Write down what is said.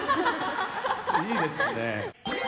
いいですね。